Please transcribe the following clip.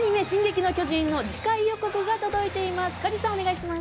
「進撃の巨人」の次回予告が届いています。